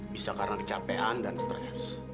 bisa karena kecapean dan stres